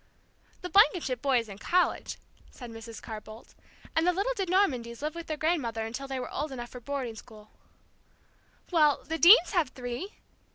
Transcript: "The Blankenship boy is in college," said Mrs. Carr Boldt; "and the little de Normandys lived with their grandmother until they were old enough for boarding school." "Well, the Deanes have three!"